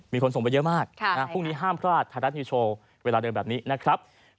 มีคนส่งไปเยอะมากพรุ่งนี้ห้ามพลาดไทยรัฐนิวโชว์เวลาเดินแบบนี้นะครับ